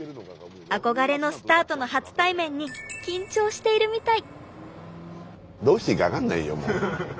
憧れのスターとの初対面に緊張しているみたい。